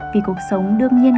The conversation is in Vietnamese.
vì cuộc sống đương nhiên còn